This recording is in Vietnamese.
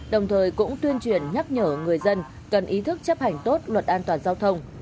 đồng thời cũng tuyên truyền nhắc nhở người dân cần ý thức chấp hành tốt luật an toàn giao thông